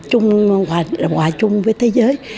hoà chung với thế giới